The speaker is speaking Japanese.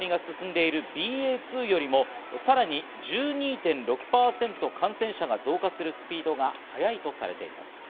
ＸＥ系統は今、日本で置き換わりが進んでいるＢＡ．２よりもさらに１２．６％、感染者が増加するスピードが速いとされています。